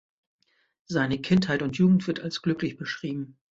Seine Kindheit und Jugend wird als glücklich beschrieben.